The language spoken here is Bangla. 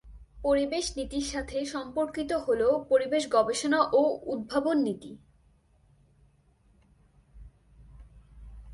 পরিবেশ নীতির সাথে সম্পর্কিত হল পরিবেশ গবেষণা ও উদ্ভাবন নীতি।